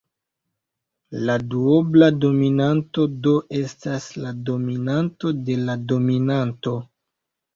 La duobla dominanto do estas la dominanto de la dominanto.